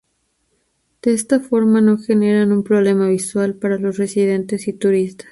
De esta forma no generan un problema visual para los residentes y turistas.